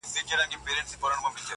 • له دې رازه مي خبر که دیار زړه خو..